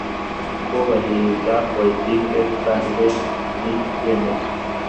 kubahiriza politiki rusange n ibyemezo